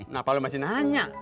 nah apa lo masih nanya